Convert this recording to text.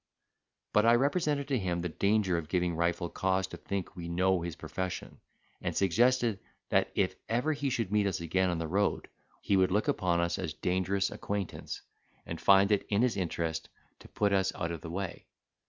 But I represented to him the danger of giving Rifle cause to think we know his profession, and suggested that, if ever he should meet us again on the road, he would look upon us as dangerous acquaintance, and find it his interest to put us out of the way.